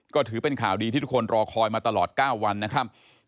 ก็ถือเป็นข่าวดีที่ทุกคนรอคอยมาตลอด๙วันนะครับ